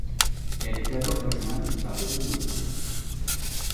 Elle est alors rejointe par le peloton.